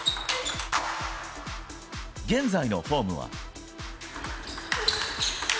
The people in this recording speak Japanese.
現在のフォームは。